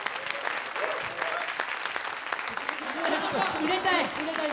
売れたい！